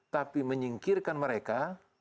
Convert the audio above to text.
tapi menyingkirkan mereka